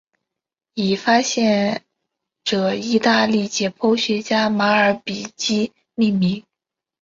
以发现者意大利解剖学家马尔比基命名。